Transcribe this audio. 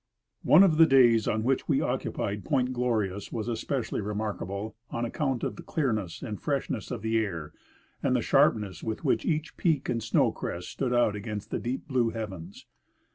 One of the days on which we occupied Point Glorious was especially remarkable on account of the clearness and freshness of the air and the sharpness with which each peak and snow crest stood out against the deep blue heavens.